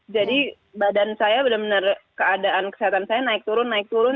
jadi badan saya benar benar keadaan kesehatan saya naik turun naik turun